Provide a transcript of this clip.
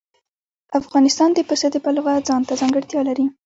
افغانستان د پسه د پلوه ځانته ځانګړتیا لري.